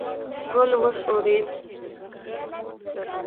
ګل وښورېد.